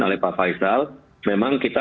oleh pak faisal memang kita